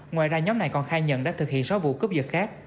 ngoài ra nhóm này còn khai nhận đã thực hiện sáu vụ cướp dật khác